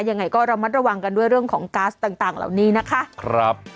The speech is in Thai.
ยังไงก็ระมัดระวังกันด้วยเรื่องของก๊าซต่างเหล่านี้นะคะครับ